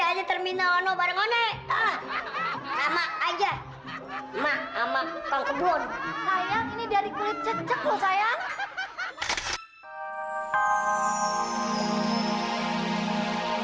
aja terminal no bareng bareng sama aja sama sama kau kebun sayang ini dari kulit cecek lo sayang